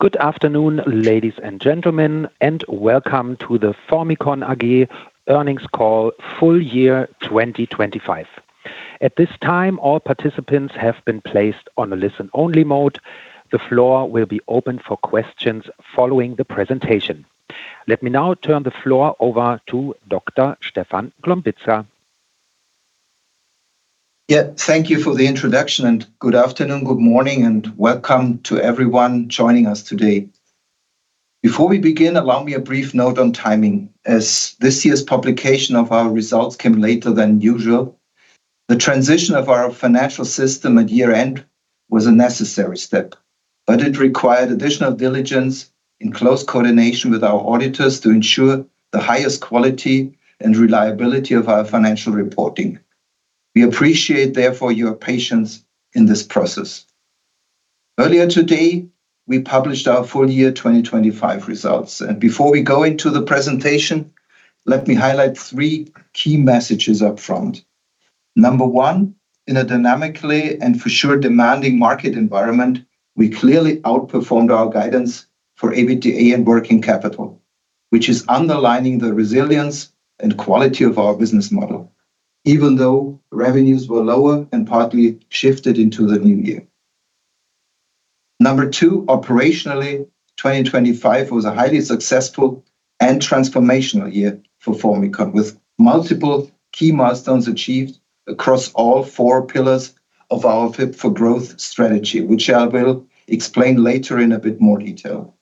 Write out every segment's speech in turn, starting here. Good afternoon, ladies and gentlemen, and welcome to the Formycon AG earnings call, full year 2025. At this time, all participants have been placed on a listen-only mode. The floor will be open for questions following the presentation. Let me now turn the floor over to Dr. Stefan Glombitza. Yeah. Thank you for the introduction, and good afternoon, good morning, and welcome to everyone joining us today. Before we begin, allow me a brief note on timing. As this year's publication of our results came later than usual, the transition of our financial system at year-end was a necessary step. It required additional diligence and close coordination with our auditors to ensure the highest quality and reliability of our financial reporting. We appreciate, therefore, your patience in this process. Earlier today, we published our full year 2025 results, and before we go into the presentation, let me highlight three key messages up front. Number one, in a dynamically and for sure demanding market environment, we clearly outperformed our guidance for EBITDA and working capital, which is underlining the resilience and quality of our business model, even though revenues were lower and partly shifted into the new year. Number two, operationally, 2025 was a highly successful and transformational year for Formycon, with multiple key milestones achieved across all four pillars of our Fit for Growth strategy, which I will explain later in a bit more detail.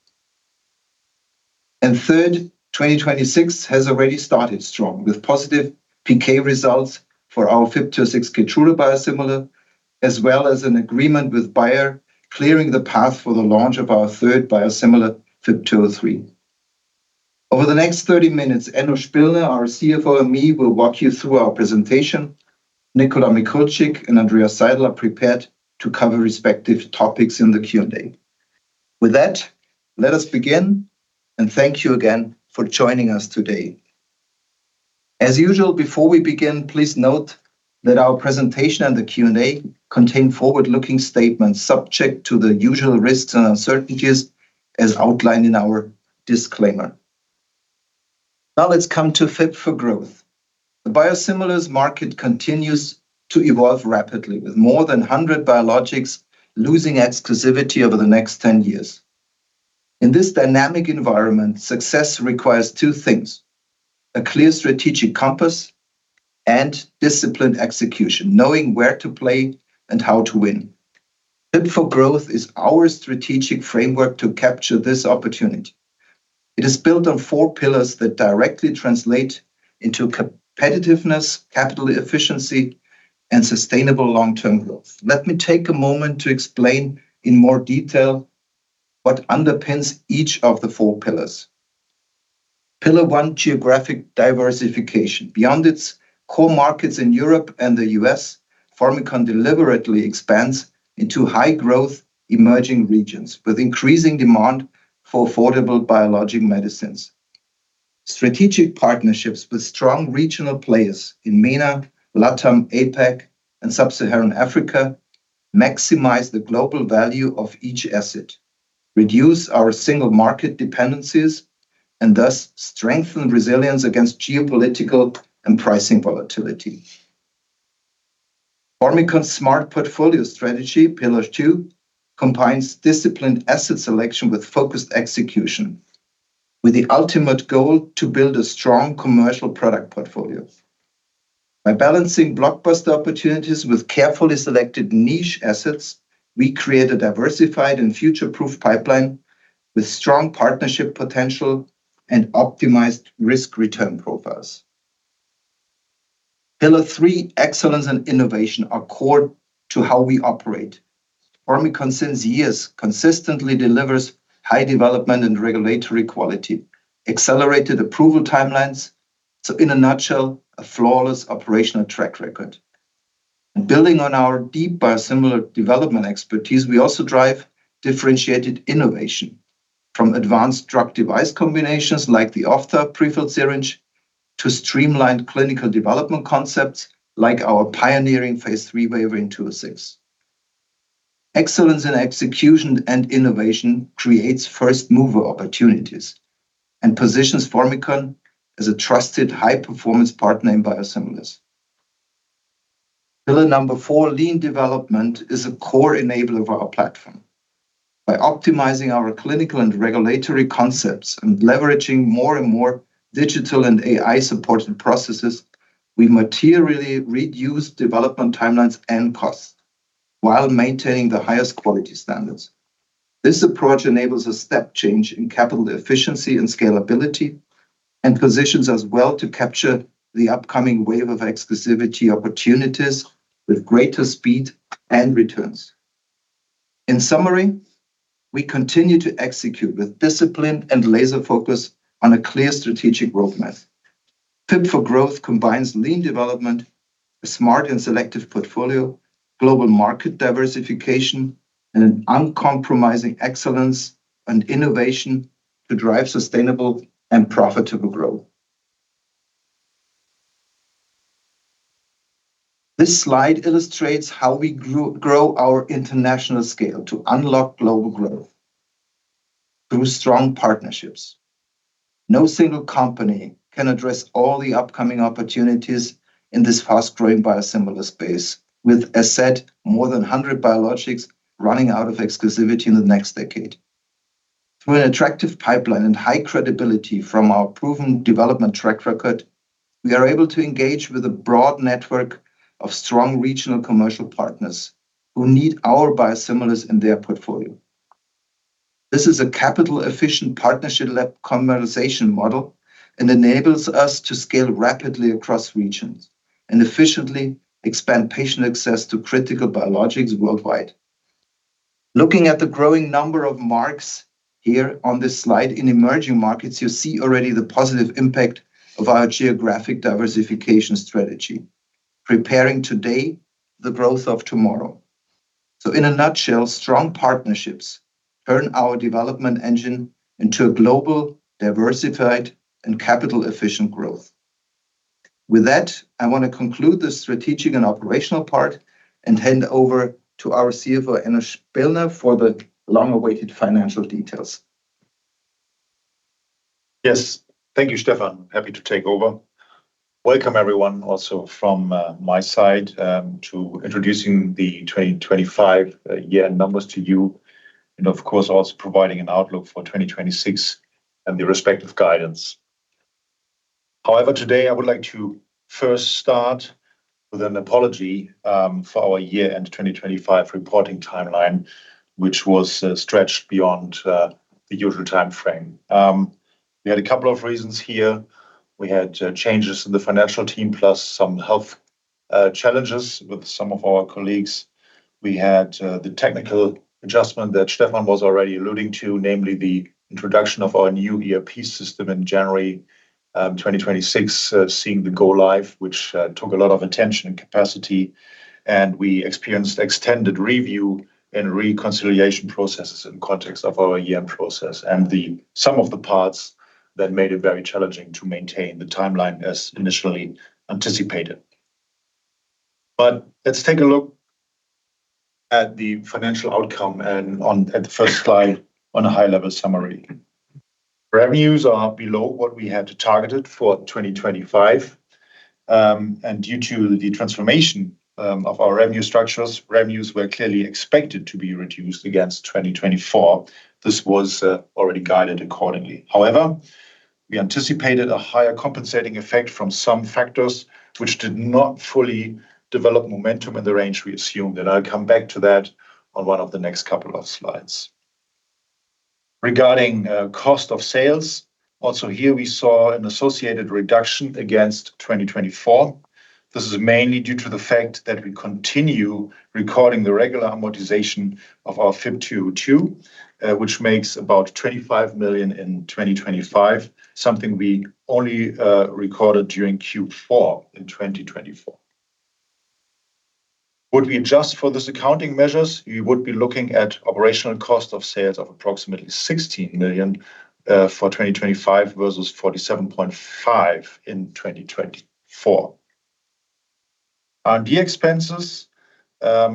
Third, 2026 has already started strong, with positive PK results for our FYB206 Keytruda biosimilar, as well as an agreement with Bayer, clearing the path for the launch of our third biosimilar, FYB203. Over the next 30 minutes, Enno Spillner, our CFO, and me will walk you through our presentation. Nicola Mikulcik and Andreas Seidl are prepared to cover respective topics in the Q&A. With that, let us begin, and thank you again for joining us today. As usual, before we begin, please note that our presentation and the Q&A contain forward-looking statements subject to the usual risks and uncertainties as outlined in our disclaimer. Now let's come to Fit for Growth. The biosimilars market continues to evolve rapidly, with more than 100 biologics losing exclusivity over the next 10 years. In this dynamic environment, success requires two things, a clear strategic compass and disciplined execution, knowing where to play and how to win. Fit for Growth is our strategic framework to capture this opportunity. It is built on four pillars that directly translate into competitiveness, capital efficiency, and sustainable long-term growth. Let me take a moment to explain in more detail what underpins each of the four pillars. Pillar one, geographic diversification. Beyond its core markets in Europe and the U.S., Formycon deliberately expands into high-growth emerging regions with increasing demand for affordable biologic medicines. Strategic partnerships with strong regional players in MENA, LATAM, APAC, and Sub-Saharan Africa maximize the global value of each asset, reduce our single market dependencies, and thus strengthen resilience against geopolitical and pricing volatility. Formycon's smart portfolio strategy, pillar two, combines disciplined asset selection with focused execution, with the ultimate goal to build a strong commercial product portfolio. By balancing blockbuster opportunities with carefully selected niche assets, we create a diversified and future-proof pipeline with strong partnership potential and optimized risk-return profiles. Pillar three, excellence and innovation are core to how we operate. Formycon since years consistently delivers high development and regulatory quality, accelerated approval timelines. In a nutshell, a flawless operational track record. Building on our deep biosimilar development expertise, we also drive differentiated innovation from advanced drug-device combinations like the ophtha prefilled syringe, to streamlined clinical development concepts like our pioneering phase III waiver for FYB206. Excellence in execution and innovation creates first-mover opportunities and positions Formycon as a trusted high-performance partner in biosimilars. Pillar number four, lean development is a core enabler of our platform. By optimizing our clinical and regulatory concepts and leveraging more and more digital and AI support and processes, we materially reduce development timelines and costs while maintaining the highest quality standards. This approach enables a step change in capital efficiency and scalability and positions us well to capture the upcoming wave of exclusivity opportunities with greater speed and returns. In summary, we continue to execute with discipline and laser focus on a clear strategic growth method. Fit for Growth combines lean development, a smart and selective portfolio, global market diversification, and an uncompromising excellence and innovation to drive sustainable and profitable growth. This slide illustrates how we grow our international scale to unlock global growth through strong partnerships. No single company can address all the upcoming opportunities in this fast-growing biosimilar space. With, as said, more than 100 biologics running out of exclusivity in the next decade, through an attractive pipeline and high credibility from our proven development track record, we are able to engage with a broad network of strong regional commercial partners who need our biosimilars in their portfolio. This is a capital-efficient partnership-led commercialization model, and enables us to scale rapidly across regions and efficiently expand patient access to critical biologics worldwide. Looking at the growing number of marks here on this slide, in emerging markets, you see already the positive impact of our geographic diversification strategy, preparing today the growth of tomorrow. In a nutshell, strong partnerships turn our development engine into a global, diversified, and capital-efficient growth. With that, I want to conclude the strategic and operational part and hand over to our CFO, Enno Spillner, for the long-awaited financial details. Yes. Thank you, Stefan. Happy to take over. Welcome, everyone, also from my side, to introducing the 2025 year-end numbers to you and of course, also providing an outlook for 2026 and the respective guidance. However, today, I would like to first start with an apology for our year-end 2025 reporting timeline, which was stretched beyond the usual timeframe. We had a couple of reasons here. We had changes in the financial team, plus some health challenges with some of our colleagues. We had the technical adjustment that Stefan was already alluding to, namely the introduction of our new ERP system in January 2026, seeing the go live, which took a lot of attention and capacity, and we experienced extended review and reconciliation processes in context of our year-end process, and the sum of the parts that made it very challenging to maintain the timeline as initially anticipated. Let's take a look at the financial outcome and at the first slide on a high-level summary. Revenues are below what we had targeted for 2025. Due to the transformation of our revenue structures, revenues were clearly expected to be reduced against 2024. This was already guided accordingly. However, we anticipated a higher compensating effect from some factors, which did not fully develop momentum in the range we assumed, and I'll come back to that on one of the next couple of slides. Regarding cost of sales, also here we saw an associated reduction against 2024. This is mainly due to the fact that we continue recording the regular amortization of our FYB202, which makes about 25 million in 2025, something we only recorded during Q4 in 2024. If we adjust for these accounting measures, you would be looking at operational cost of sales of approximately 16 million for 2025 versus 47.5 million in 2024. R&D expenses,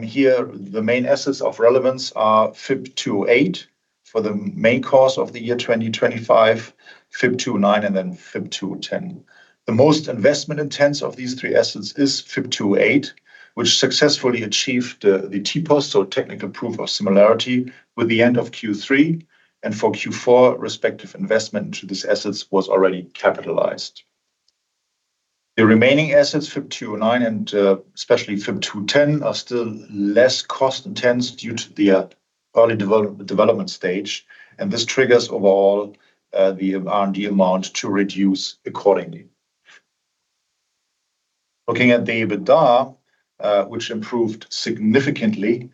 here, the main assets of relevance are FYB208 for the main costs of the year 2025, FYB209, and then FYB210. The most investment intense of these three assets is FYB208, which successfully achieved the TPOS, so Technical Proof of Similarity, with the end of Q3. For Q4, respective investment into these assets was already capitalized. The remaining assets, FYB209 and especially FYB210, are still less cost intense due to the early development stage, and this triggers overall the R&D amount to reduce accordingly. Looking at the EBITDA, which improved significantly.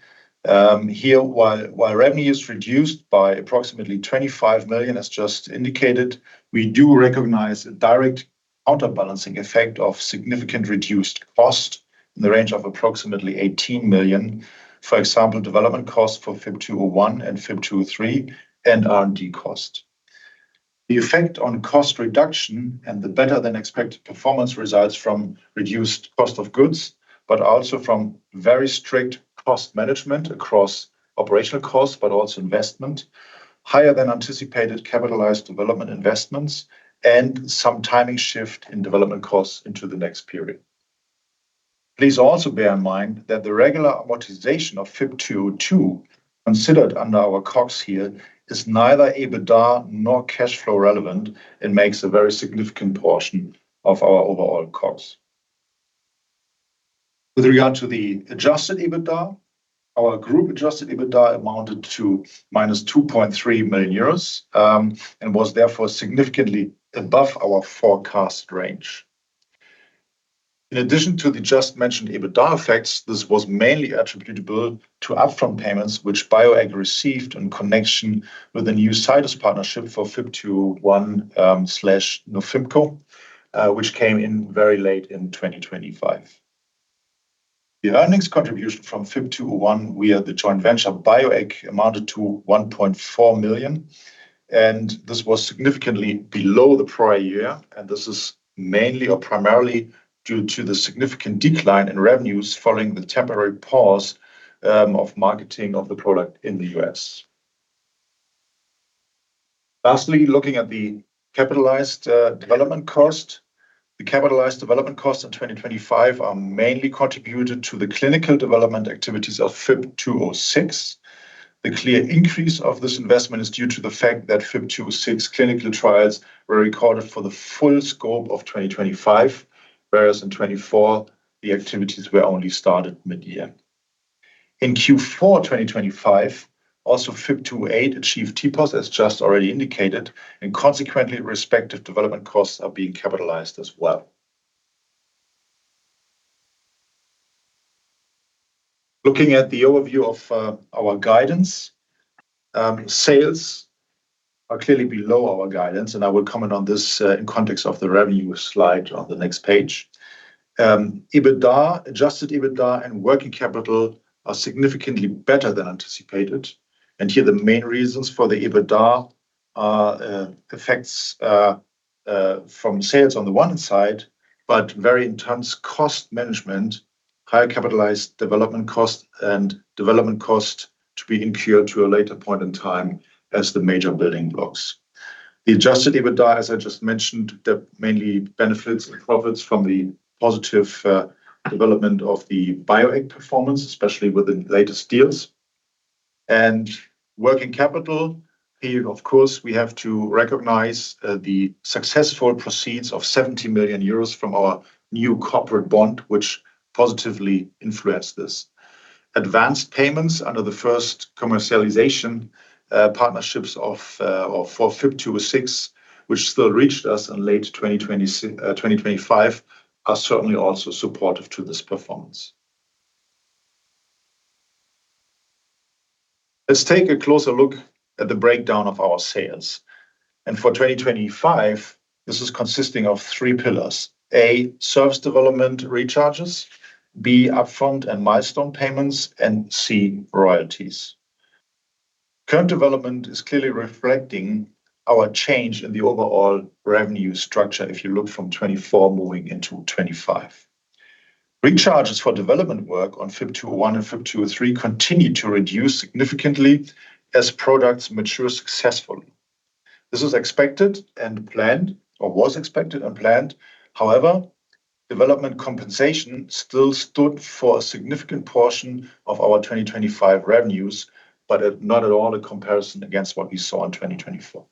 Here, while revenue is reduced by approximately 25 million, as just indicated, we do recognize a direct out-of-balancing effect of significant reduced cost in the range of approximately 18 million. For example, development costs for FYB201 and FYB203 and R&D cost. The effect on cost reduction and the better than expected performance results from reduced cost of goods, but also from very strict cost management across operational costs, but also investment, higher than anticipated capitalized development investments, and some timing shift in development costs into the next period. Please also bear in mind that the regular amortization of FYB202, considered under our COGS here, is neither EBITDA nor cash flow relevant and makes a very significant portion of our overall COGS. With regard to the adjusted EBITDA, our group-adjusted EBITDA amounted to -2.3 million euros, and was therefore significantly above our forecast range. In addition to the just mentioned EBITDA effects, this was mainly attributable to upfront payments which Bioeq received in connection with the new Zydus partnership for FYB201/Nufymco, which came in very late in 2025. The earnings contribution from FYB201 via the joint venture Bioeq amounted to 1.4 million, and this was significantly below the prior year, and this is mainly or primarily due to the significant decline in revenues following the temporary pause of marketing of the product in the U.S. Lastly, looking at the capitalized development cost. The capitalized development costs in 2025 are mainly contributed to the clinical development activities of FYB206. The clear increase of this investment is due to the fact that FYB206 clinical trials were recorded for the full scope of 2025, whereas in 2024, the activities were only started mid-year. In Q4 2025, also FYB208 achieved TPOS, as just already indicated, and consequently, respective development costs are being capitalized as well. Looking at the overview of our guidance. Sales are clearly below our guidance, and I will comment on this in context of the revenue slide on the next page. EBITDA, adjusted EBITDA, and working capital are significantly better than anticipated. And here the main reasons for the EBITDA are effects from sales on the one side, but very intense cost management, high capitalized development cost and development cost to be incurred to a later point in time as the major building blocks. The adjusted EBITDA, as I just mentioned, that mainly benefits the profits from the positive development of the Bioeq performance, especially with the latest deals. Working capital, here, of course, we have to recognize the successful proceeds of 70 million euros from our new corporate bond, which positively influenced this. Advanced payments under the first commercialization partnerships for FYB206, which still reached us in late 2025, are certainly also supportive to this performance. Let's take a closer look at the breakdown of our sales. For 2025, this is consisting of three pillars. A, service development recharges, B, upfront and milestone payments, and C, royalties. Current development is clearly reflecting our change in the overall revenue structure if you look from 2024 moving into 2025. Recharges for development work on FYB201 and FYB203 continued to reduce significantly as products mature successfully. This is expected and planned, or was expected and planned. However, development compensation still stood for a significant portion of our 2025 revenues, but not at all in comparison against what we saw in 2024.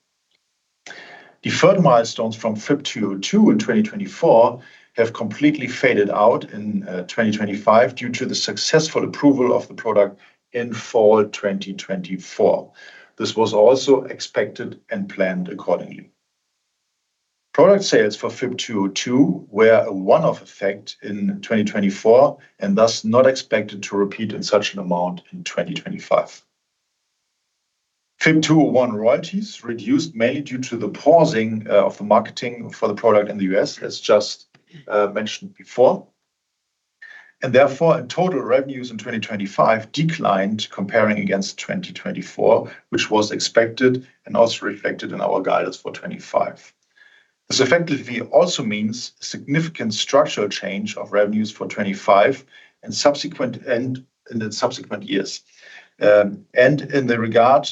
Deferred milestones from FYB202 in 2024 have completely faded out in 2025 due to the successful approval of the product in fall 2024. This was also expected and planned accordingly. Product sales for FYB202 were a one-off effect in 2024, and thus not expected to repeat in such an amount in 2025. FYB201 royalties reduced mainly due to the pausing of the marketing for the product in the U.S., as just mentioned before. Therefore, total revenues in 2025 declined comparing against 2024, which was expected and also reflected in our guidance for 2025. This effectively also means significant structural change of revenues for 2025 and in subsequent years. In that regard,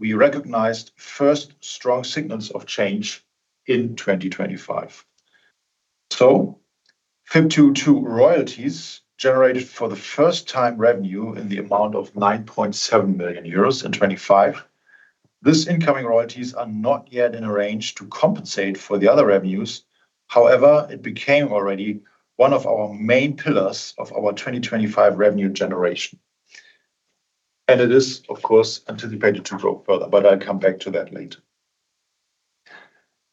we recognized first strong signals of change in 2025. FYB202 royalties generated for the first time revenue in the amount of 9.7 million euros in 2025. This incoming royalties are not yet in a range to compensate for the other revenues. However, it became already one of our main pillars of our 2025 revenue generation. And it is, of course, anticipated to grow further, but I'll come back to that later.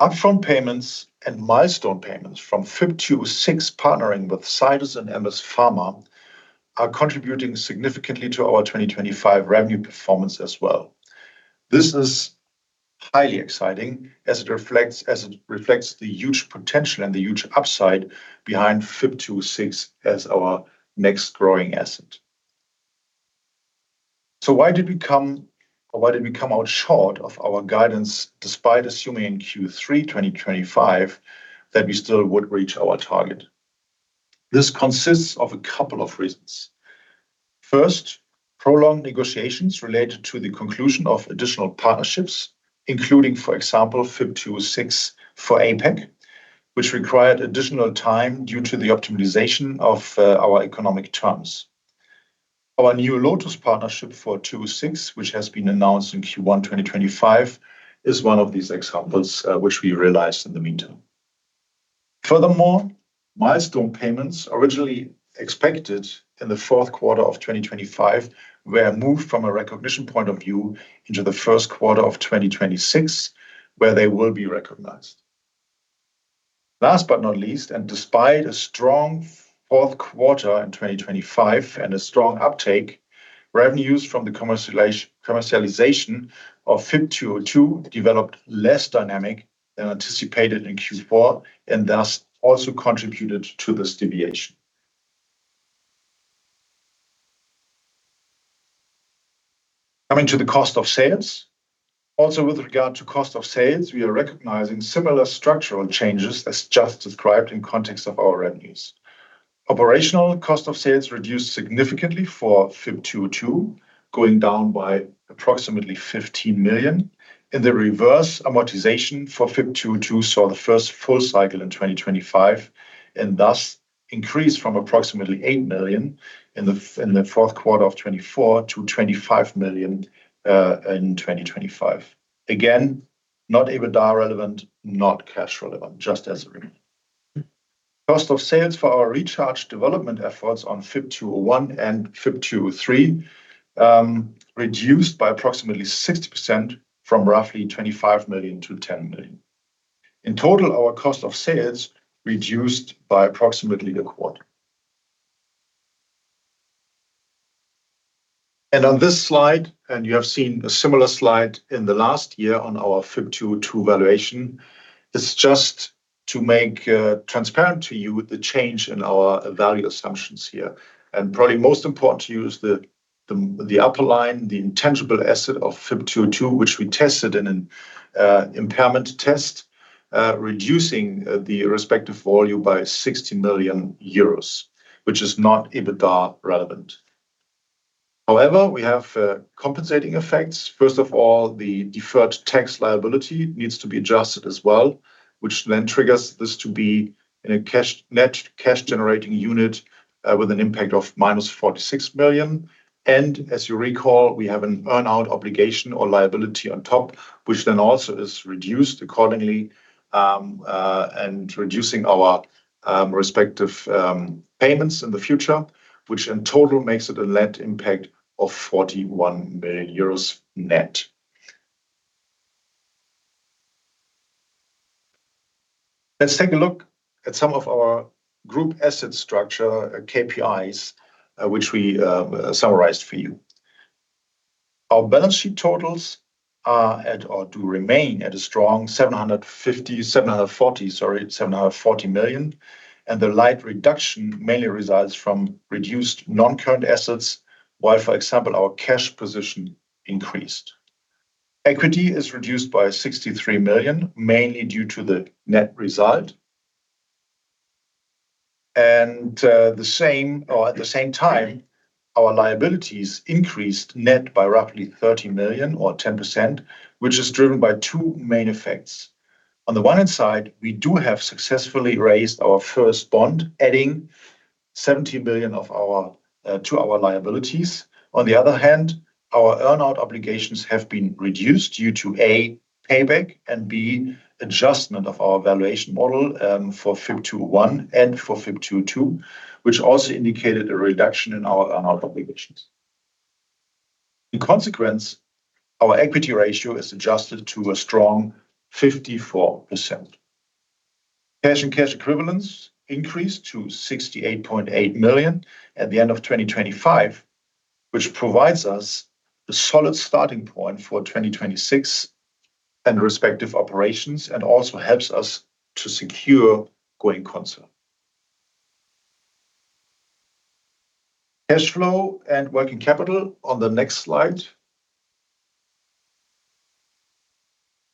Upfront payments and milestone payments from FYB206 partnering with Zydus and MS Pharma are contributing significantly to our 2025 revenue performance as well. This is highly exciting as it reflects the huge potential and the huge upside behind FYB206 as our next growing asset. Why did we come out short of our guidance despite assuming in Q3 2025 that we still would reach our target? This consists of a couple of reasons. First, prolonged negotiations related to the conclusion of additional partnerships, including, for example, FYB206 for APAC, which required additional time due to the optimization of our economic terms. Our new Lotus partnership for 206, which has been announced in Q1 2025, is one of these examples, which we realized in the meantime. Furthermore, milestone payments originally expected in the fourth quarter of 2025 were moved from a recognition point of view into the first quarter of 2026, where they will be recognized. Last but not least, despite a strong fourth quarter in 2025 and a strong uptake, revenues from the commercialization of FYB202 developed less dynamic than anticipated in Q4, and thus also contributed to this deviation. Coming to the cost of sales. Also, with regard to cost of sales, we are recognizing similar structural changes as just described in context of our revenues. Operational cost of sales reduced significantly for FYB202, going down by approximately 15 million. In the reverse, amortization for FYB202 saw the first full cycle in 2025, and thus increased from approximately 8 million in the fourth quarter of 2024 to 25 million in 2025. Again, not EBITDA relevant, not cash relevant, just as a reminder. Cost of sales for our research development efforts on FYB201 and FYB203 reduced by approximately 60% from roughly 25 million to 10 million. In total, our cost of sales reduced by approximately a quarter. On this slide, you have seen a similar slide in the last year on our FYB202 valuation, is just to make transparent to you the change in our value assumptions here. Probably most important to you is the upper line, the intangible asset of FYB202, which we tested in an impairment test, reducing the respective value by 60 million euros, which is not EBITDA relevant. However, we have compensating effects. First of all, the deferred tax liability needs to be adjusted as well, which then triggers this to be in a net cash generating unit, with an impact of -46 million. As you recall, we have an earn-out obligation or liability on top, which then also is reduced accordingly, and reducing our respective payments in the future, which in total makes it a net impact of 41 million euros net. Let's take a look at some of our group asset structure, KPIs, which we summarized for you. Our balance sheet totals are at or do remain at a strong 740 million. The slight reduction mainly results from reduced non-current assets, while, for example, our cash position increased. Equity is reduced by 63 million, mainly due to the net result. At the same time, our liabilities increased net by roughly 30 million or 10%, which is driven by two main effects. On the one hand side, we do have successfully raised our first bond, adding 17 million to our liabilities. On the other hand, our earn-out obligations have been reduced due to, A, payback and B, adjustment of our valuation model, for FYB201 and for FYB202, which also indicated a reduction in our earn-out obligations. In consequence, our equity ratio is adjusted to a strong 54%. Cash and cash equivalents increased to 68.8 million at the end of 2025, which provides us a solid starting point for 2026 and respective operations, and also helps us to secure going concern. Cash flow and working capital on the next slide.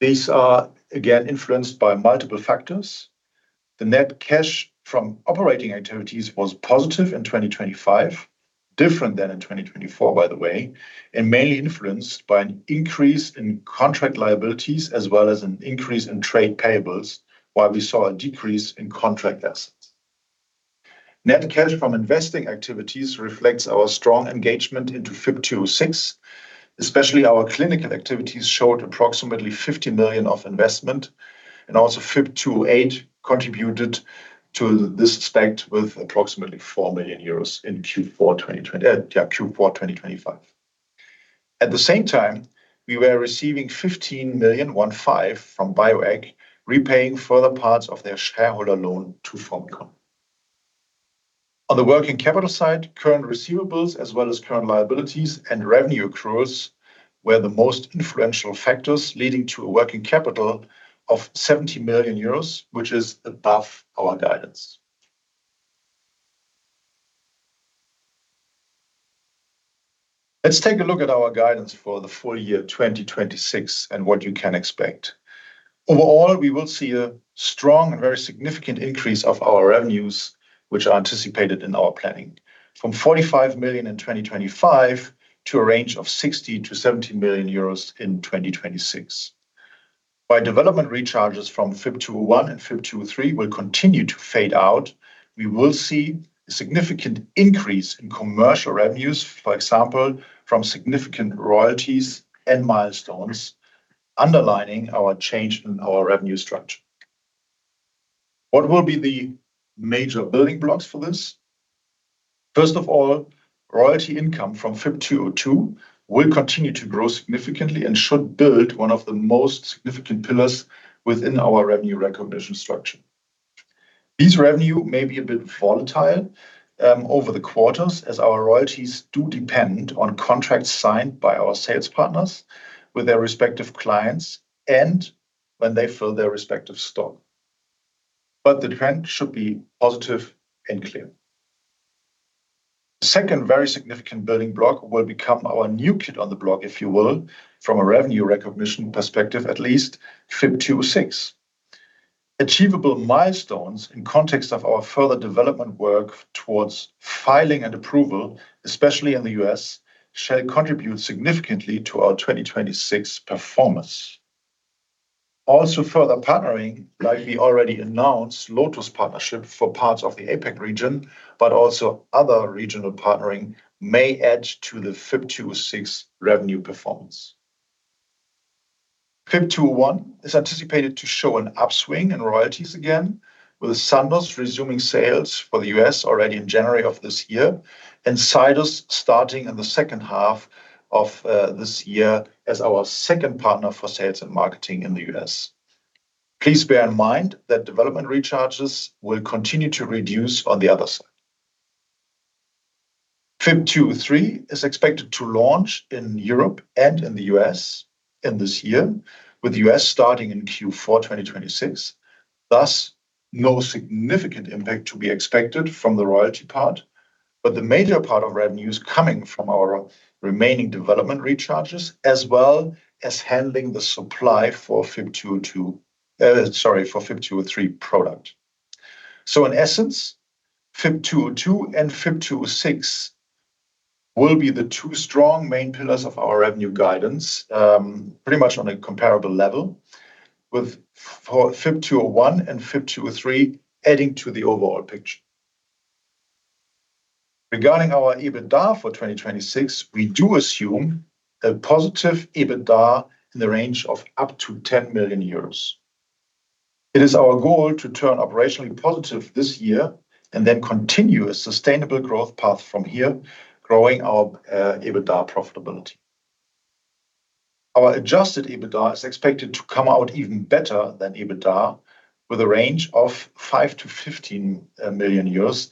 These are again influenced by multiple factors. The net cash from operating activities was positive in 2025, different than in 2024, by the way, and mainly influenced by an increase in contract liabilities as well as an increase in trade payables, while we saw a decrease in contract assets. Net cash from investing activities reflects our strong engagement into FYB206, especially our clinical activities showed approximately 50 million of investment, and also FYB208 contributed to this respect with approximately 4 million euros in Q4 2025. At the same time, we were receiving 15 million from Bioeq AG, repaying further parts of their shareholder loan to Formycon. On the working capital side, current receivables as well as current liabilities and revenue accruals were the most influential factors, leading to a working capital of 70 million euros, which is above our guidance. Let's take a look at our guidance for the full year 2026 and what you can expect. Overall, we will see a strong and very significant increase of our revenues, which are anticipated in our planning, from 45 million in 2025 to a range of 60 million-70 million euros in 2026. While development recharges from FYB201 and FYB203 will continue to fade out, we will see a significant increase in commercial revenues, for example, from significant royalties and milestones, underlining our change in our revenue structure. What will be the major building blocks for this? First of all, royalty income from FYB202 will continue to grow significantly and should build one of the most significant pillars within our revenue recognition structure. This revenue may be a bit volatile over the quarters as our royalties do depend on contracts signed by our sales partners with their respective clients and when they fill their respective stock. The trend should be positive and clear. Second very significant building block will become our new kid on the block, if you will, from a revenue recognition perspective, at least FYB206. Achievable milestones in context of our further development work towards filing and approval, especially in the U.S., shall contribute significantly to our 2026 performance. Also further partnering, like we already announced Lotus partnership for parts of the APAC region, but also other regional partnering may add to the FYB206 revenue performance. FYB201 is anticipated to show an upswing in royalties again, with Sandoz resuming sales for the U.S. already in January of this year, and Zydus starting in the second half of this year as our second partner for sales and marketing in the U.S. Please bear in mind that development recharges will continue to reduce on the other side. FYB203 is expected to launch in Europe and in the U.S. in this year, with U.S. starting in Q4 2026, thus no significant impact to be expected from the royalty part. The major part of revenue is coming from our remaining development recharges, as well as handling the supply for FYB203 product. In essence, FYB202 and FYB206 will be the two strong main pillars of our revenue guidance, pretty much on a comparable level with FYB201 and FYB203 adding to the overall picture. Regarding our EBITDA for 2026, we do assume a positive EBITDA in the range of up to 10 million euros. It is our goal to turn operationally positive this year and then continue a sustainable growth path from here, growing our EBITDA profitability. Our adjusted EBITDA is expected to come out even better than EBITDA, with a range of 5 million-15 million euros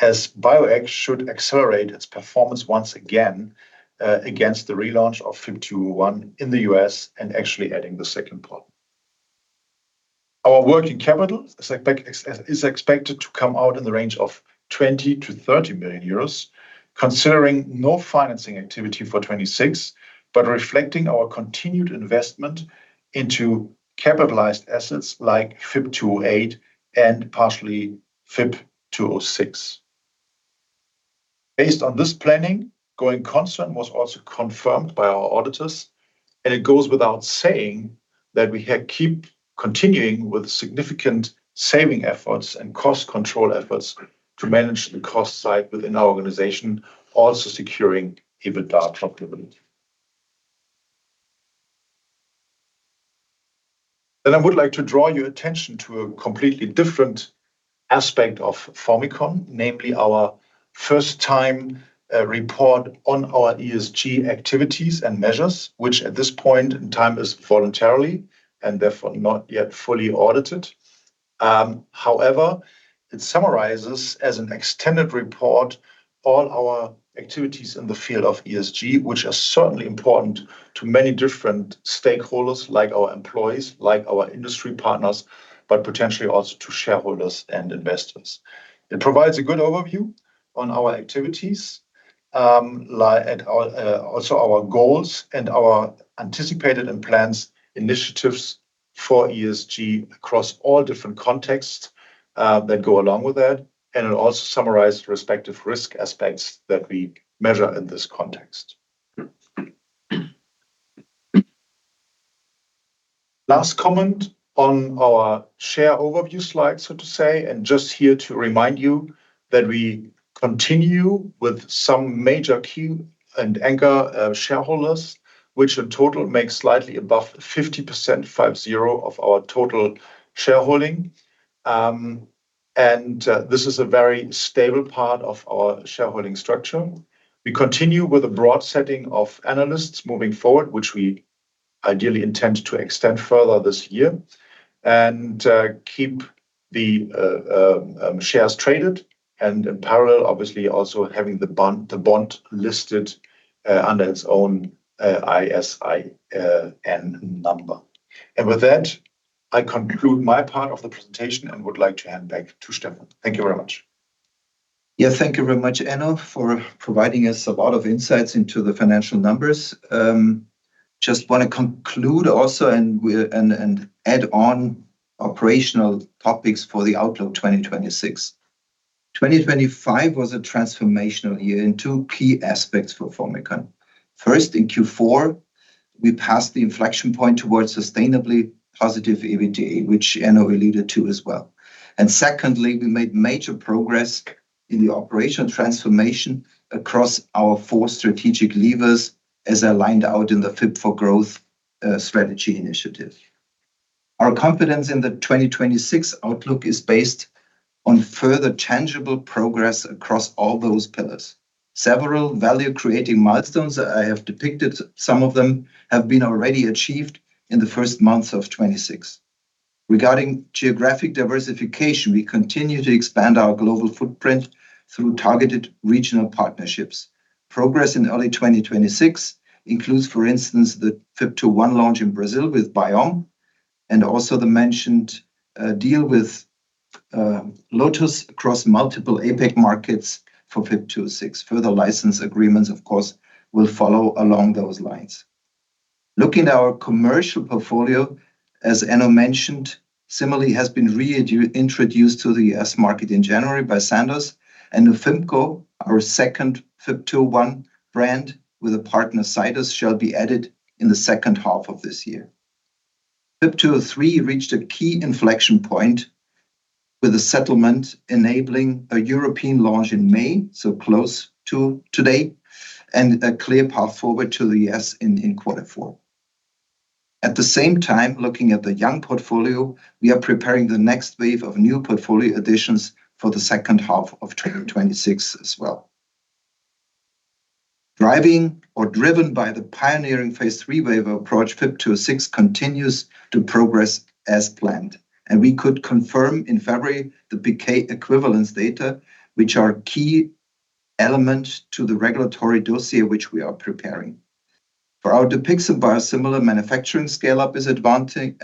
as Bioeq should accelerate its performance once again against the relaunch of FYB201 in the U.S. and actually adding the second partner. Our working capital is expected to come out in the range of 20 million-30 million euros, considering no financing activity for 2026, but reflecting our continued investment into capitalized assets like FYB208 and partially FYB206. Based on this planning, going concern was also confirmed by our auditors, and it goes without saying that we keep continuing with significant saving efforts and cost control efforts to manage the cost side within our organization, also securing EBITDA profitability. I would like to draw your attention to a completely different aspect of Formycon, namely our first time report on our ESG activities and measures, which at this point in time is voluntarily and therefore not yet fully audited. However, it summarizes as an extended report all our activities in the field of ESG, which are certainly important to many different stakeholders like our employees, like our industry partners, but potentially also to shareholders and investors. It provides a good overview on our activities, also our goals and our anticipated and planned initiatives for ESG across all different contexts that go along with that, and it also summarized respective risk aspects that we measure in this context. Last comment on our share overview slide, so to say, and just here to remind you that we continue with some major key and anchor shareholders, which in total makes slightly above 50% of our total shareholding. This is a very stable part of our shareholding structure. We continue with a broad setting of analysts moving forward, which we ideally intend to extend further this year and keep the shares traded and in parallel, obviously also having the bond listed under its own ISIN number. With that, I conclude my part of the presentation and would like to hand back to Stefan. Thank you very much. Yeah. Thank you very much, Enno, for providing us a lot of insights into the financial numbers. Just want to conclude also and add on operational topics for the outlook 2026. 2025 was a transformational year in two key aspects for Formycon. First, in Q4, we passed the inflection point towards sustainably positive EBITDA, which Enno alluded to as well. Secondly, we made major progress in the operational transformation across our four strategic levers, as outlined in the Fit for Growth strategy initiative. Our confidence in the 2026 outlook is based on further tangible progress across all those pillars. Several value-creating milestones that I have depicted, some of them have already been achieved in the first months of 2026. Regarding geographic diversification, we continue to expand our global footprint through targeted regional partnerships. Progress in early 2026 includes, for instance, the FYB201 launch in Brazil with Biomm, and also the mentioned deal with Lotus across multiple APAC markets for FYB206. Further license agreements, of course, will follow along those lines. Looking at our commercial portfolio, as Enno mentioned, CIMERLI has been reintroduced to the U.S. market in January by Sandoz, and Nufymco, our second FYB201 brand with a partner, Zydus, shall be added in the second half of this year. FYB203 reached a key inflection point with the settlement enabling a European launch in May, so close to today, and a clear path forward to the U.S. in quarter four. At the same time, looking at the young portfolio, we are preparing the next wave of new portfolio additions for the second half of 2026 as well. Driven by the pioneering phase III waiver approach, FYB206 continues to progress as planned, and we could confirm in February the PK equivalence data, which are key elements to the regulatory dossier which we are preparing. For our Dupixent biosimilar manufacturing scale-up is advancing,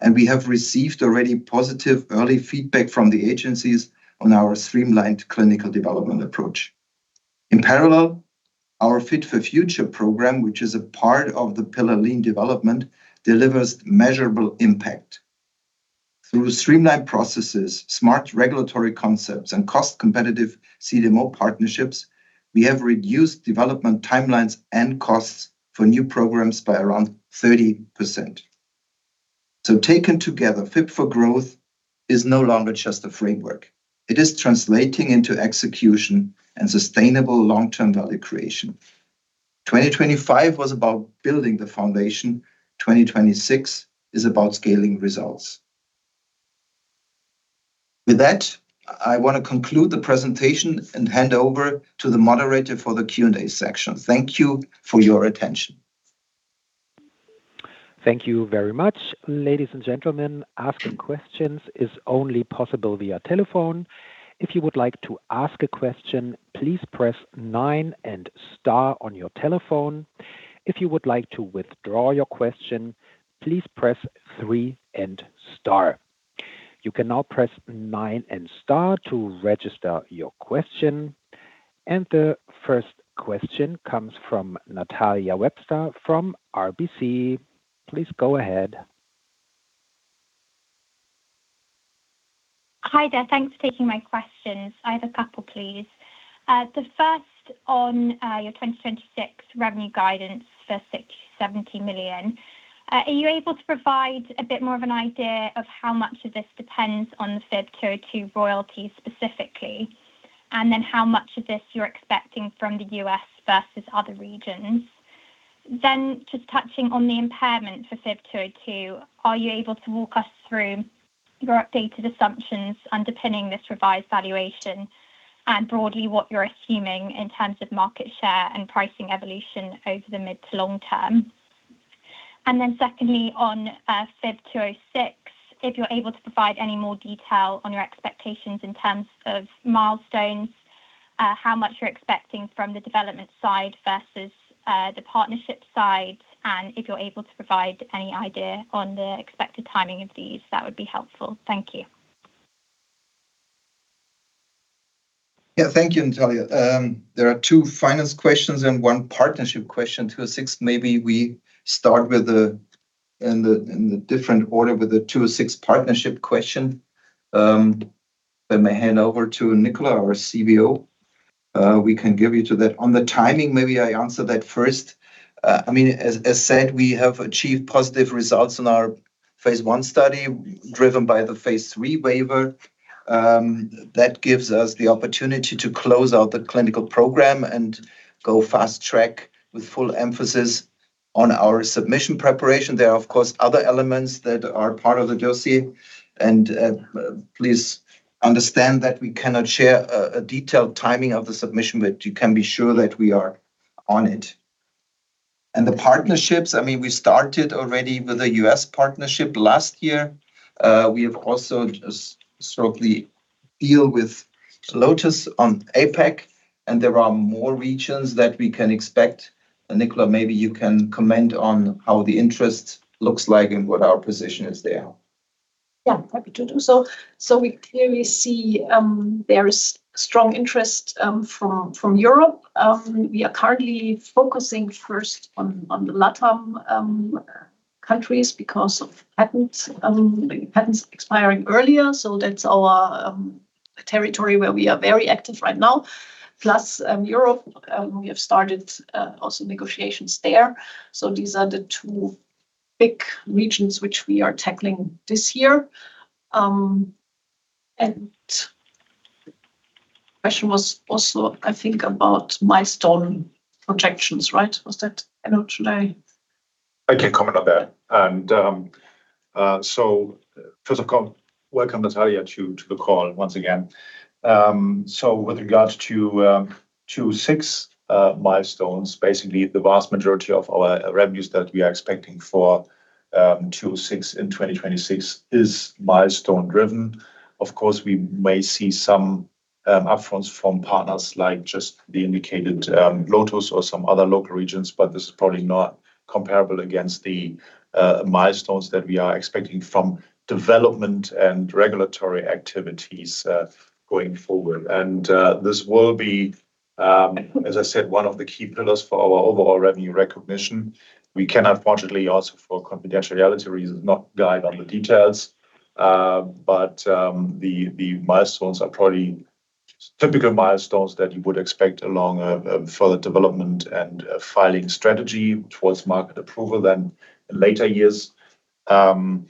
and we have received already positive early feedback from the agencies on our streamlined clinical development approach. In parallel, our Fit-for-Future program, which is a part of the pillar lean development, delivers measurable impact. Through streamlined processes, smart regulatory concepts, and cost-competitive CDMO partnerships, we have reduced development timelines and costs for new programs by around 30%. Taken together, Fit for Growth is no longer just a framework. It is translating into execution and sustainable long-term value creation. 2025 was about building the foundation. 2026 is about scaling results. With that, I want to conclude the presentation and hand over to the moderator for the Q&A section. Thank you for your attention. Thank you very much. Ladies and gentlemen, asking questions is only possible via telephone. If you would like to ask a question, please press nine and star on your telephone. If you would like to withdraw your question, please press three and star. You can now press nine and star to register your question. The first question comes from Natalia Webster from RBC. Please go ahead. Hi there. Thanks for taking my questions. I have a couple, please. The first on your 2026 revenue guidance for 670 million. Are you able to provide a bit more of an idea of how much of this depends on the FYB202 royalties specifically, and then how much of this you're expecting from the U.S. versus other regions? Just touching on the impairment for FYB202, are you able to walk us through your updated assumptions underpinning this revised valuation and broadly what you're assuming in terms of market share and pricing evolution over the mid to long term? Secondly, on FYB206, if you're able to provide any more detail on your expectations in terms of milestones, how much you're expecting from the development side versus the partnership side, and if you're able to provide any idea on the expected timing of these, that would be helpful. Thank you. Yeah. Thank you, Natalia. There are two finance questions and one partnership question, 206. Maybe we start in the different order with the 206 partnership question. Let me hand over to Nicola, our CBO. We can give you to that. On the timing, maybe I answer that first. As said, we have achieved positive results in our phase I study driven by the phase III waiver. That gives us the opportunity to close out the clinical program and go fast track with full emphasis on our submission preparation. There are, of course, other elements that are part of the dossier, and please understand that we cannot share a detailed timing of the submission, but you can be sure that we are on it. The partnerships, we started already with the U.S. partnership last year. We have also just signed a deal with Lotus on APAC, and there are more regions that we can expect. Nicola, maybe you can comment on how the interest looks like and what our position is there. Yeah. Happy to do so. We clearly see there is strong interest from Europe. We are currently focusing first on the LATAM countries because of patents expiring earlier, so that's our territory where we are very active right now. Plus Europe, we have started also negotiations there. These are the two big regions which we are tackling this year. Question was also, I think, about milestone projections, right? Was that, Enno, should I? I can comment on that. First of all, welcome, Natalia, to the call once again. With regards to 206 milestones, basically, the vast majority of our revenues that we are expecting for 206 in 2026 is milestone-driven. Of course, we may see some upfront from partners like just the indicated Lotus or some other local regions, but this is probably not comparable against the milestones that we are expecting from development and regulatory activities going forward. This will be, as I said, one of the key pillars for our overall revenue recognition. We can unfortunately, also for confidentiality reasons, not guide on the details. The milestones are probably typical milestones that you would expect along a further development and filing strategy towards market approval then in later years. In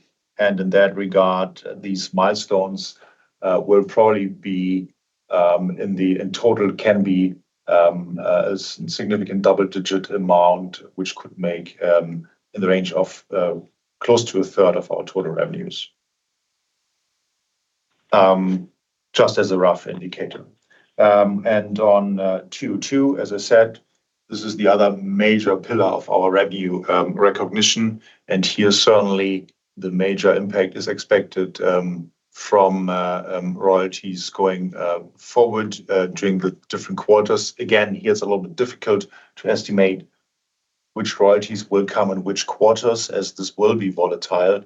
that regard, these milestones will probably be, in total can be a significant double-digit amount, which could make in the range of close to a third of our total revenues, just as a rough indicator. On 202, as I said, this is the other major pillar of our revenue recognition, and here certainly the major impact is expected from royalties going forward during the different quarters. Again, here it's a little bit difficult to estimate which royalties will come in which quarters as this will be volatile.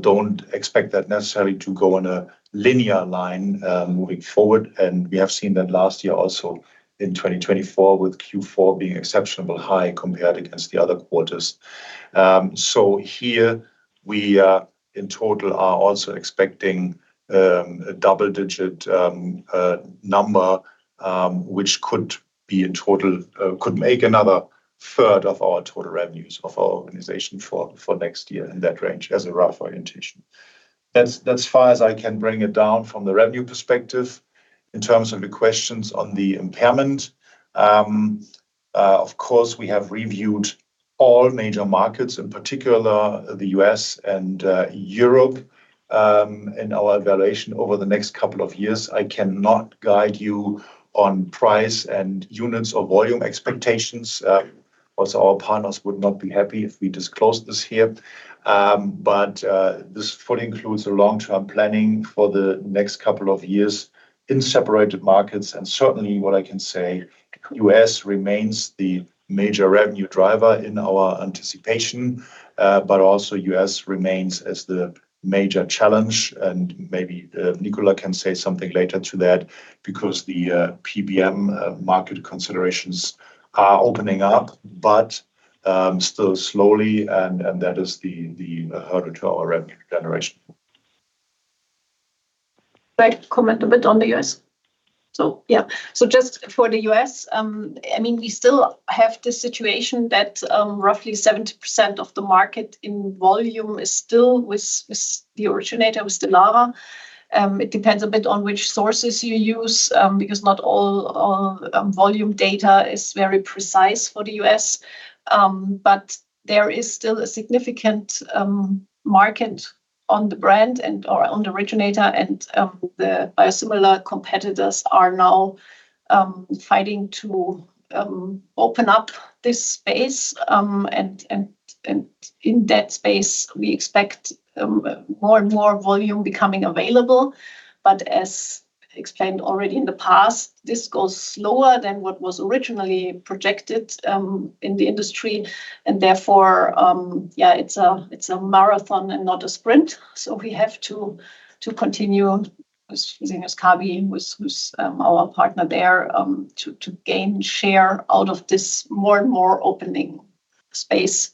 Don't expect that necessarily to go on a linear line moving forward. We have seen that last year, also in 2024, with Q4 being exceptionally high compared against the other quarters. Here we are in total are also expecting a double-digit number which could make another third of our total revenues of our organization for next year in that range as a rough orientation. That's as far as I can bring it down from the revenue perspective. In terms of the questions on the impairment, of course, we have reviewed all major markets, in particular the U.S. and Europe, in our evaluation over the next couple of years. I cannot guide you on price and units or volume expectations. Also, our partners would not be happy if we disclosed this here. This fully includes a long-term planning for the next couple of years in separate markets. Certainly what I can say, U.S. remains the major revenue driver in our anticipation. Also, U.S. remains as the major challenge and maybe Nicola can say something later to that because the PBM market considerations are opening up, but still slowly and that is the hurdle to our revenue generation. Can I comment a bit on the U.S.? Yeah. Just for the U.S., we still have the situation that roughly 70% of the market in volume is still with the originator, with Stelara. It depends a bit on which sources you use, because not all volume data is very precise for the U.S. There is still a significant market on the brand and/or on the originator, and the biosimilar competitors are now fighting to open up this space. In that space, we expect more and more volume becoming available. As explained already in the past, this goes slower than what was originally projected in the industry and therefore, yeah, it's a marathon and not a sprint. We have to continue using this Fresenius Kabi, with our partner there, to gain share out of this more and more opening space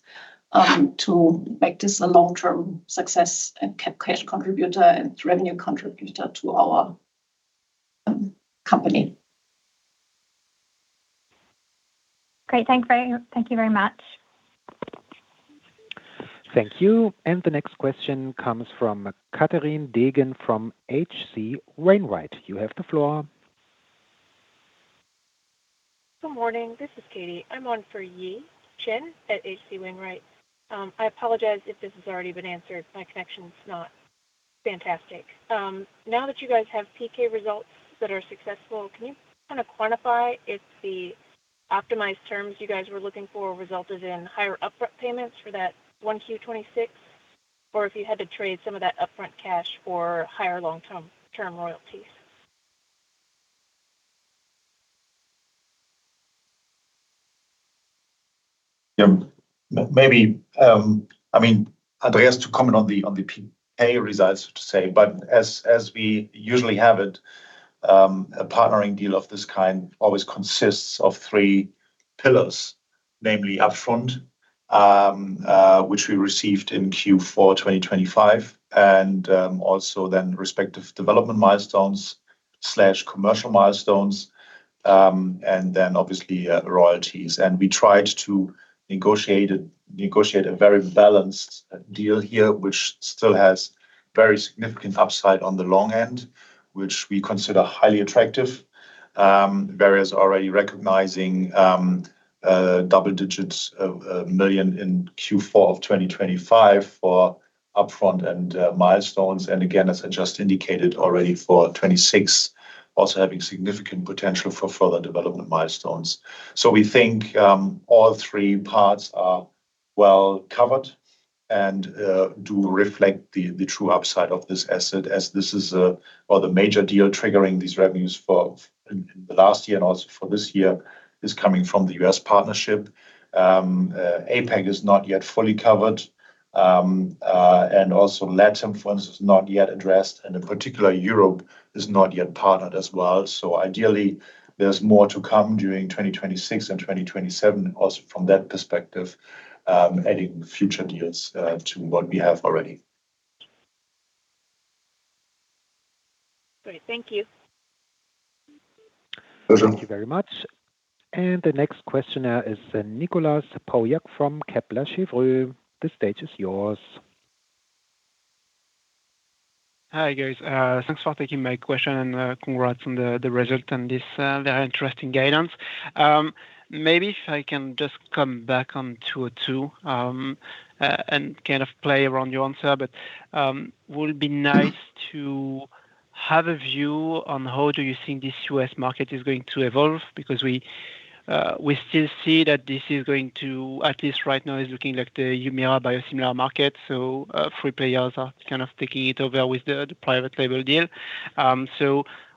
to make this a long-term success and cash contributor and revenue contributor to our company. Great. Thank you very much. Thank you. The next question comes from Katherine Degen from H.C. Wainwright. You have the floor. Good morning. This is Katie. I'm on for Yi Chen at H.C. Wainwright. I apologize if this has already been answered. My connection's not fantastic. Now that you guys have PK results that are successful, can you kind of quantify if the optimized terms you guys were looking for resulted in higher upfront payments for that Q1 2026 or if you had to trade some of that upfront cash for higher long-term royalties? Yeah. Andreas to comment on the PK results, so to say, but as we usually have it, a partnering deal of this kind always consists of three pillars, namely upfront, which we received in Q4 2025, and also then respective development milestones/commercial milestones, and then obviously royalties. We tried to negotiate a very balanced deal here, which still has very significant upside on the long end, which we consider highly attractive. Various already recognizing double-digit millions in Q4 of 2025 for upfront and milestones. Again, as I just indicated already for 2026, also having significant potential for further development milestones. We think all three parts are well covered and do reflect the true upside of this asset as this is the major deal triggering these revenues in the last year and also for this year is coming from the U.S. partnership. APAC is not yet fully covered, and also LatAm for instance is not yet addressed. In particular, Europe is not yet partnered as well. Ideally, there's more to come during 2026 and 2027 also from that perspective, adding future deals to what we have already. Great. Thank you. Sure. Thank you very much. The next question is Nicolas Pauillac from Kepler Cheuvreux. The stage is yours. Hi, guys. Thanks for taking my question and congrats on the result and this very interesting guidance. Maybe if I can just come back on 202, and kind of play around your answer, but would be nice to have a view on how do you think this U.S. market is going to evolve? Because we still see that this is going to, at least right now, is looking like the Humira biosimilar market. Three players are kind of taking it over with the private label deal.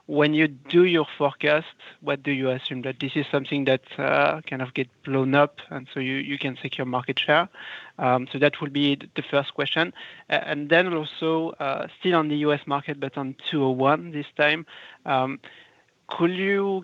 When you do your forecast, what do you assume? That this is something that kind of get blown up and so you can take your market share? That will be the first question. Also, still on the U.S. market, but on FYB201 this time, could you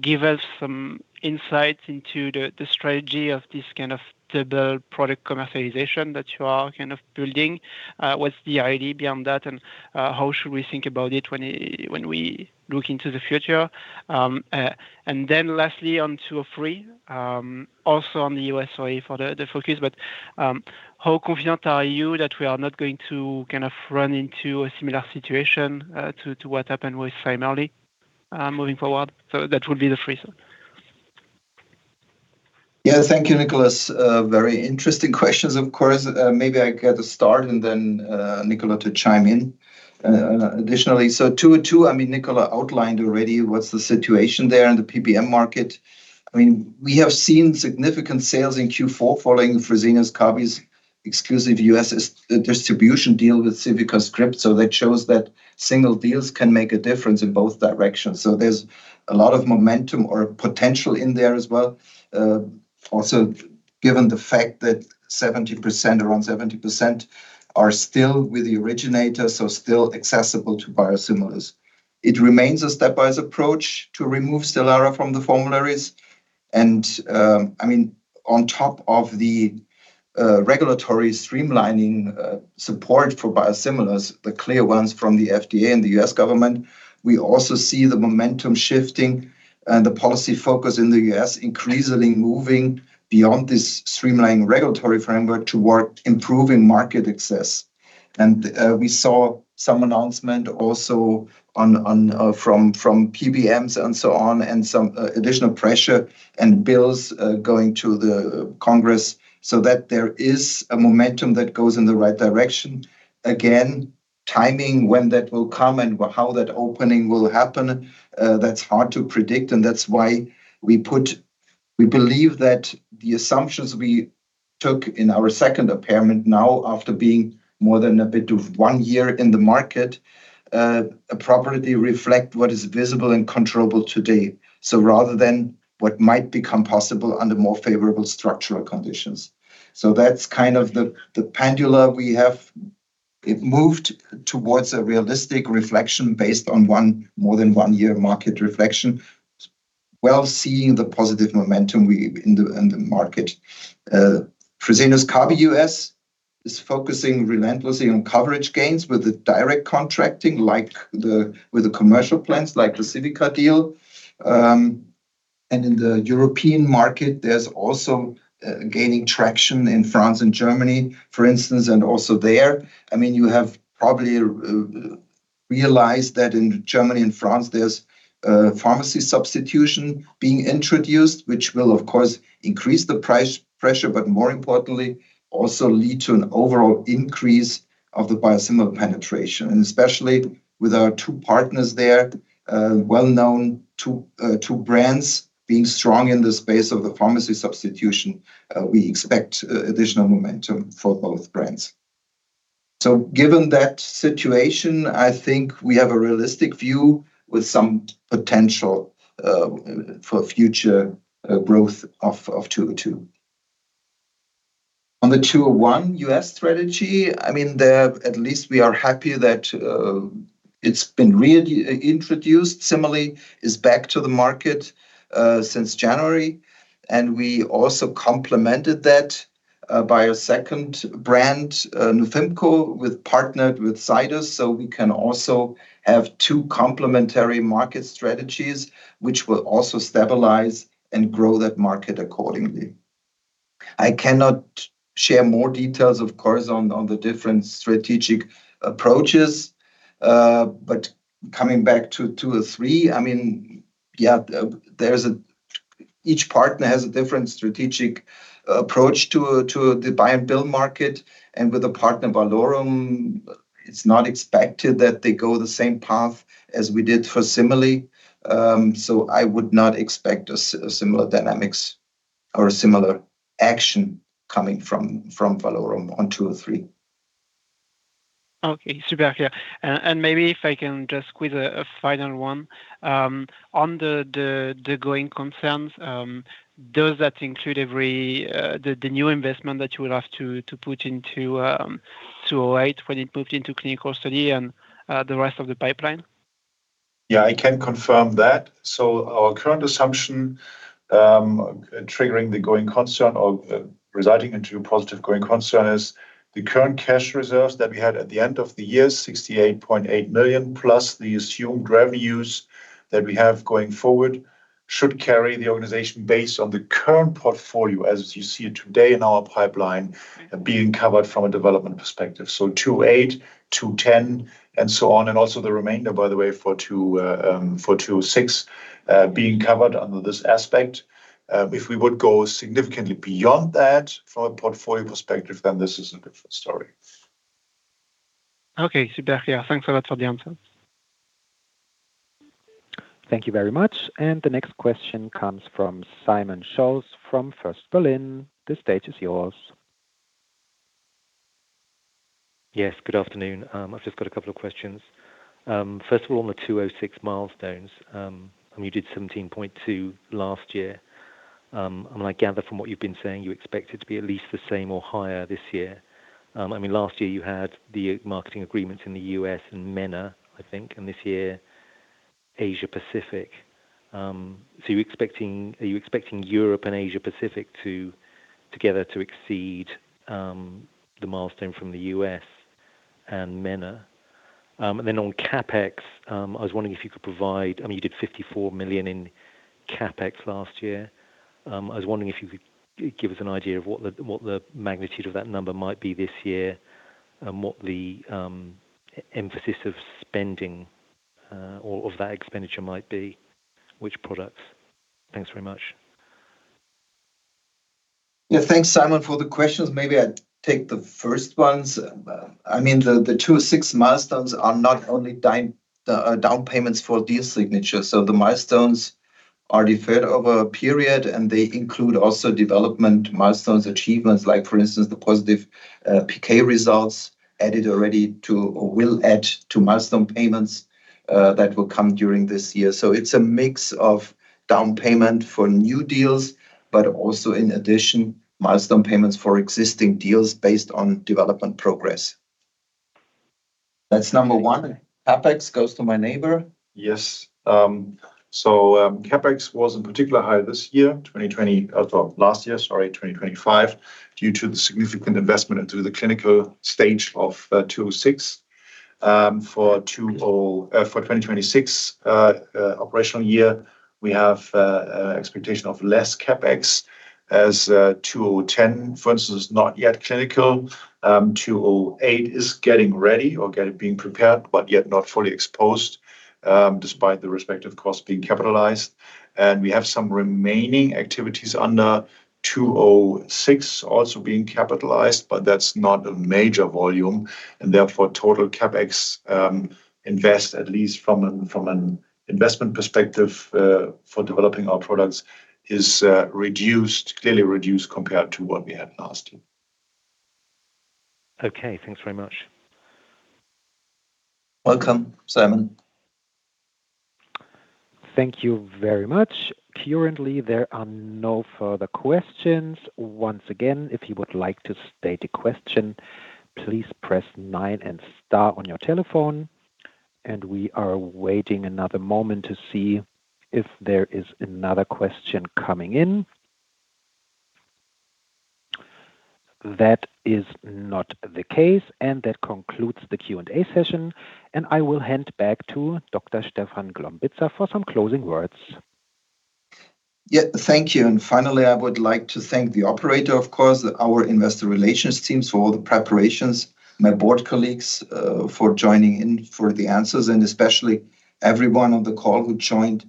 give us some insights into the strategy of this kind of double product commercialization that you are building? What's the idea beyond that, and how should we think about it when we look into the future? Lastly, on FYB203, also on the U.S. for the focus, but how confident are you that we are not going to run into a similar situation to what happened with CIMERLI moving forward? That will be the three. Yeah. Thank you, Nicolas. Very interesting questions, of course. Maybe I get a start and then Nicola to chime in additionally. FYB201, Nicola outlined already what's the situation there in the PBM market. We have seen significant sales in Q4 following Fresenius Kabi's exclusive U.S. distribution deal with CivicaScript. That shows that single deals can make a difference in both directions. There's a lot of momentum or potential in there as well. Also, given the fact that around 70% are still with the originator, so still accessible to biosimilars. It remains a stepwise approach to remove Stelara from the formularies. On top of the regulatory streamlining support for biosimilars, the clear ones from the FDA and the U.S. government, we also see the momentum shifting and the policy focus in the U.S. increasingly moving beyond this streamlining regulatory framework toward improving market access. We saw some announcement also from PBMs and so on, and some additional pressure and bills going to the Congress so that there is a momentum that goes in the right direction. Again, timing when that will come and how that opening will happen, that's hard to predict, and that's why we believe that the assumptions we took in our second impairment now, after more than one year in the market, appropriately reflect what is visible and controllable today rather than what might become possible under more favorable structural conditions. That's kind of the pendulum we have. It moved towards a realistic reflection based on more than one year market reflection, while seeing the positive momentum in the market. Fresenius Kabi U.S. is focusing relentlessly on coverage gains with the direct contracting, like with the commercial plans like the Civica deal. In the European market, there's also gaining traction in France and Germany, for instance. Also there, you have probably realized that in Germany and France, there's pharmacy substitution being introduced, which will of course increase the price pressure, but more importantly also lead to an overall increase of the biosimilar penetration. Especially with our two partners there, well-known two brands being strong in the space of the pharmacy substitution, we expect additional momentum for both brands. Given that situation, I think we have a realistic view with some potential for future growth of FYB202. On the FYB201 U.S. strategy, at least we are happy that it's been reintroduced. CIMERLI is back to the market since January, and we also complemented that by a second brand, Nufymco, partnered with Zydus. We can also have two complementary market strategies, which will also stabilize and grow that market accordingly. I cannot share more details, of course, on the different strategic approaches. Coming back to 203, each partner has a different strategic approach to the buy-and-build market. With a partner, Valorum, it's not expected that they go the same path as we did for CIMERLI, so I would not expect similar dynamics or similar action coming from Valorum on 203. Okay. Super. Yeah. Maybe if I can just squeeze a final one. On the going concerns, does that include the new investment that you will have to put into 208 when it moved into clinical study and the rest of the pipeline? Yeah, I can confirm that. Our current assumption triggering the going concern or residing into positive going concern is the current cash reserves that we had at the end of the year, 68.8 million+ the assumed revenues that we have going forward, should carry the organization based on the current portfolio as you see it today in our pipeline being covered from a development perspective. 208, 210, and so on. Also the remainder, by the way, for 206 being covered under this aspect. If we would go significantly beyond that from a portfolio perspective, then this is a different story. Okay. Super. Yeah. Thanks a lot for the answer. Thank you very much. The next question comes from Simon Scholes from First Berlin. The stage is yours. Yes, good afternoon. I've just got a couple of questions. First of all, on the 206 milestones, you did 17.2 million last year, and I gather from what you've been saying, you expect it to be at least the same or higher this year. Last year you had the marketing agreements in the U.S. and MENA, I think, and this year, Asia-Pacific. Are you expecting Europe and Asia-Pacific together to exceed the milestone from the U.S. and MENA? On CapEx, I was wondering if you could provide. You did 54 million in CapEx last year. I was wondering if you could give us an idea of what the magnitude of that number might be this year, and what the emphasis of spending of that expenditure might be, which products? Thanks very much. Yeah. Thanks, Simon, for the questions. Maybe I'll take the first ones. The 206 milestones are not only down payments for deal signature. The milestones are deferred over a period, and they include also development milestones, achievements like, for instance, the positive PK results added already to, or will add to milestone payments that will come during this year. It's a mix of down payment for new deals, but also in addition, milestone payments for existing deals based on development progress. That's number one. CapEx goes to my neighbor. Yes. CapEx was in particular high this year, 2025, due to the significant investment into the clinical stage of 206. For 2026, operational year, we have expectation of less CapEx as 210, for instance, is not yet clinical. 208 is getting ready or being prepared, but yet not fully exposed, despite the respective cost being capitalized. We have some remaining activities under 206 also being capitalized, but that's not a major volume, and therefore total CapEx invest, at least from an investment perspective for developing our products, is clearly reduced compared to what we had last year. Okay. Thanks very much. Welcome, Simon. Thank you very much. Currently, there are no further questions. Once again, if you would like to state a question, please press nine and star on your telephone. We are waiting another moment to see if there is another question coming in. That is not the case, and that concludes the Q&A session. I will hand back to Dr. Stefan Glombitza for some closing words. Yeah. Thank you. Finally, I would like to thank the operator, of course, our investor relations team for all the preparations, my Board colleagues for joining in for the answers, and especially everyone on the call who joined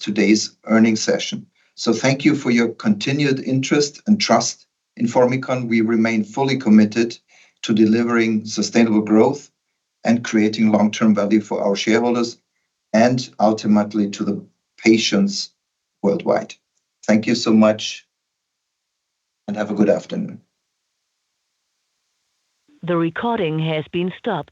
today's earnings session. Thank you for your continued interest and trust in Formycon. We remain fully committed to delivering sustainable growth and creating long-term value for our shareholders and ultimately to the patients worldwide. Thank you so much and have a good afternoon. The recording has been stopped.